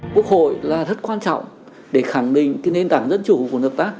quốc hội là rất quan trọng để khẳng định nền tảng dân chủ của nước